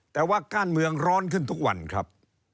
แต่ว่าก้านเมืองร้อนขึ้นทุกวันครับ